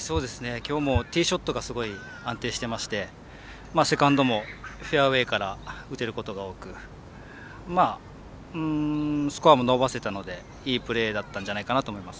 きょうもティーショットがすごい安定してましてセカンドもフェアウエーから打てることが多くスコアも伸ばせたのでいいプレーだったんじゃないかなと思います。